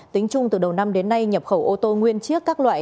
tính chung từ đầu năm đến nay nhập khẩu ô tô nguyên chiếc các loại